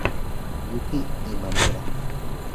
Yuki Imamura